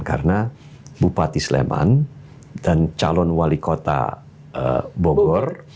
karena bupati sleman dan calon wali kota bogor